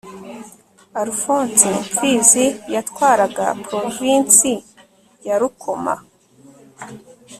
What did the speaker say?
Alfonsi Mfizi yatwaraga Provinsi ya Rukoma